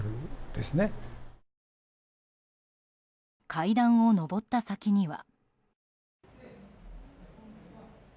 階段を上った先には。